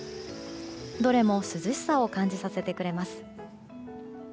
どれも涼しさを感じさせてくれます。